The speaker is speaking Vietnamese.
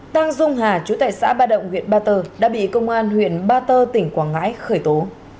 tăng dung hà chú tại xã ba động huyện ba tơ đã bị công an huyện ba tơ tỉnh quảng ngãi khởi tố